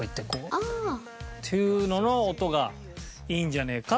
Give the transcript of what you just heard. ああー！っていうのの音がいいんじゃねえか？